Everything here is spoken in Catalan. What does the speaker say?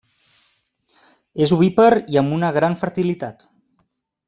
És ovípar i amb una gran fertilitat.